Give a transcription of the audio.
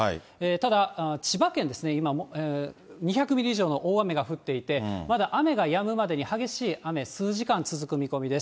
ただ、千葉県ですね、今２００ミリ以上の大雨が降っていて、まだ雨がやむまでに激しい雨、数時間続く見込みです。